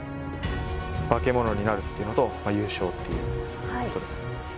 化け物になるっていうのと、優勝っていうことです。